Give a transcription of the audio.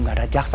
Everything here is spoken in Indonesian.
gak ada jaksa